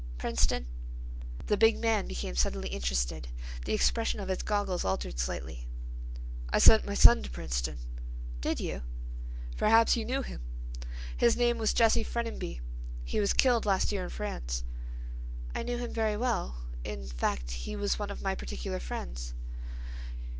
"Princeton." The big man became suddenly interested; the expression of his goggles altered slightly. "I sent my son to Princeton." "Did you?" "Perhaps you knew him. His name was Jesse Ferrenby. He was killed last year in France." "I knew him very well. In fact, he was one of my particular friends."